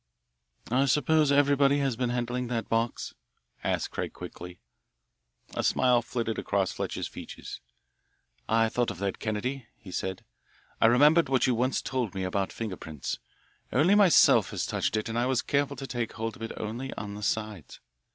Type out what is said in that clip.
"I suppose everybody has been handling that box?" asked Craig quickly. A smile flitted across Fletcher's features. "I thought of that, Kennedy," he said. "I remembered what you once told me about finger prints. Only myself has touched it, and I was careful to take hold of it only on the sides.